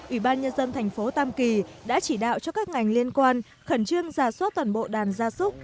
ủy ban nhân dân thành phố đã báo cáo cho cơ quan thú y của thành phố